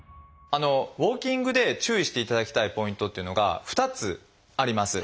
ウォーキングで注意していただきたいポイントっていうのが２つあります。